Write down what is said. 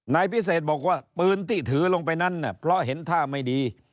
นายพิเศษบอกว่าปืนที่ถือลงไปนั้นเพราะเห็นท่าไม่ดี